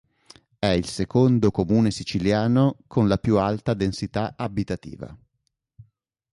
È il secondo comune siciliano con la più alta densità abitativa.